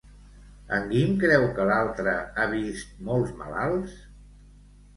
En Guim creu que l'altre ha vist molts malalts?